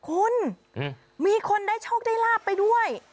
คุณมีคนได้โชคได้ลาบไปด้วย